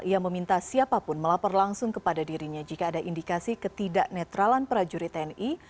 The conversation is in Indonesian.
ia meminta siapapun melapor langsung kepada dirinya jika ada indikasi ketidak netralan prajurit tni